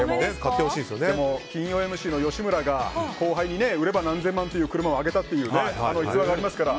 でも金曜ＭＣの吉村が後輩に売れば何千万っていう車をあげたっていう逸話がありますから。